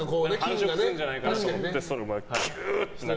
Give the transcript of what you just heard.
繁殖するんじゃないかなと思って。